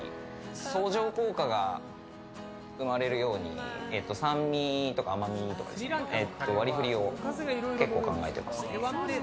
相乗効果が生まれるように酸味とか甘みとか割り振りを結構考えてます。